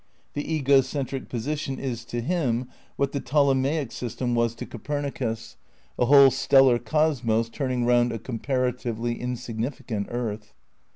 The ego centrio position is to him what the Ptolemaic system was to Copernicus, a whole stellar cosmos turning round a comparatively insignificant earth.